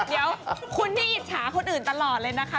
เดี๋ยวคุณนี่อิจฉาคนอื่นตลอดเลยนะคะ